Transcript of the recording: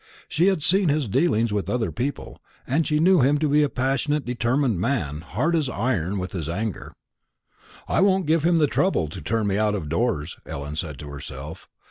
She had seen his dealings with other people, and she knew him to be a passionate determined man, hard as iron in his anger. "I won't give him the trouble to turn me out of doors," Ellen said to herself.